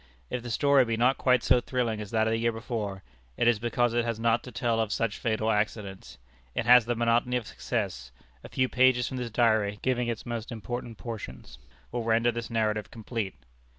If the story be not quite so thrilling as that of the year before, it is because it has not to tell of such fatal accidents. It has the monotony of success. A few pages from this diary, giving its most important portions, will render this narrative complete.